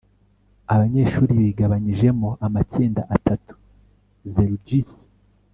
abanyeshuri bigabanyijemo amatsinda atatu xellugis